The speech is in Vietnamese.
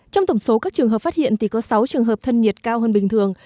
trong tổng số các trường hợp phát hiện thì có sáu trường hợp thân nhiệt cao hơn bình thường